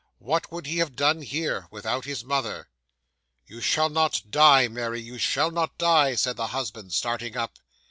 What would he have done here, without his mother!" '"You shall not die, Mary, you shall not die;" said the husband, starting up.